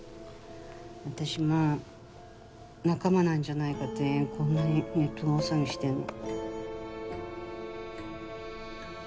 私も仲間なんじゃないかってこんなにネットが大騒ぎしてんの。